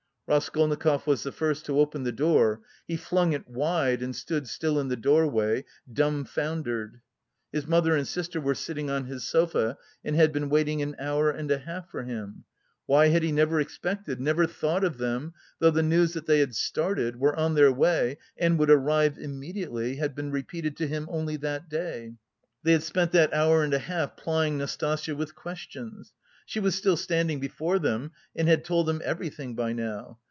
Raskolnikov was the first to open the door; he flung it wide and stood still in the doorway, dumbfoundered. His mother and sister were sitting on his sofa and had been waiting an hour and a half for him. Why had he never expected, never thought of them, though the news that they had started, were on their way and would arrive immediately, had been repeated to him only that day? They had spent that hour and a half plying Nastasya with questions. She was standing before them and had told them everything by now.